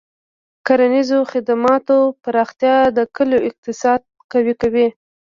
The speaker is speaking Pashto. د کرنیزو خدماتو پراختیا د کلیو اقتصاد قوي کوي.